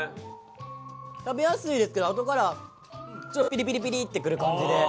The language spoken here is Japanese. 食べやすいですけどあとからちょっとピリピリピリってくる感じで。